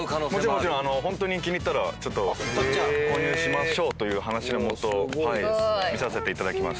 ホントに気に入ったらちょっと購入しましょうという話のもと見させていただきます。